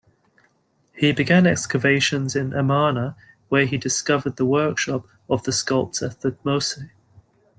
He began excavations in Amarna, where he discovered the workshop of the sculptor Thutmose.